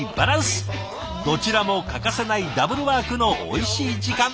どちらも欠かせないダブルワークのおいしい時間。